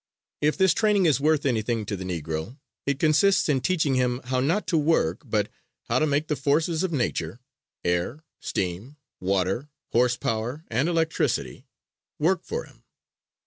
If this training is worth anything to the Negro, it consists in teaching him how not to work, but how to make the forces of nature air, steam, water, horse power and electricity work for him.